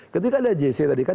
ketika ada jc tadi kan